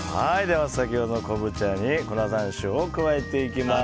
先ほどの昆布茶に粉山椒を加えていきます。